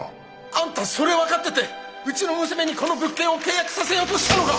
あんたそれ分かっててうちの娘にこの物件を契約させようとしたのか！